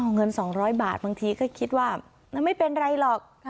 เงิน๒๐๐บาทบางทีก็คิดว่าไม่เป็นไรหรอก